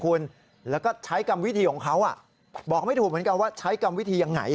คุณแล้วก็ใช้กรรมวิธีของเขาบอกไม่ถูกเหมือนกันว่าใช้กรรมวิธียังไง